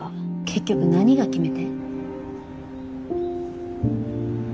結局何が決め手？